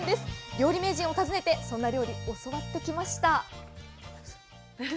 料理名人を訪ねてそんな料理教わってきました。